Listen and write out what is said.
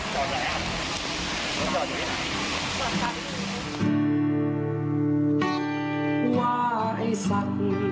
ขอบคุณครับขอบคุณครับขอบคุณครับขอบคุณครับ